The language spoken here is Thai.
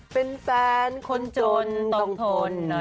เป็นแฟนคนจนต้องทนหน่อย